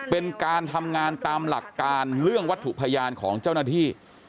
เป็นการทำงานตามหลักการเรื่องวัตถุพยานของเจ้าหน้าที่